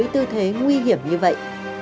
tư thế nguy hiểm như vậy